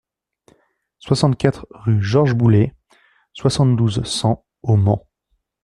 soixante-quatre rue Georges Boullet, soixante-douze, cent au Mans